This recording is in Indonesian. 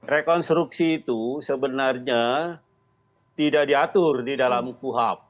rekonstruksi itu sebenarnya tidak diatur di dalam kuhap